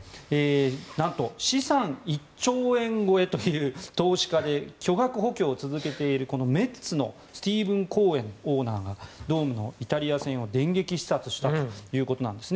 何と資産１兆円超えという投資家で巨額補強を続けているメッツのスティーブ・コーエンオーナーがドームでイタリア戦を電撃視察したということです。